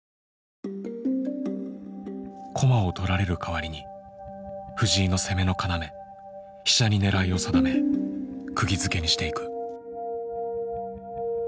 駒を取られるかわりに藤井の攻めの要飛車に狙いを定め釘付けにしていく。